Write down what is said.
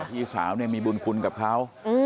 พี่สาวมีบุญคุณกับเขา